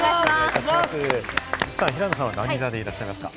平野さんは何座でいらっしゃいますか？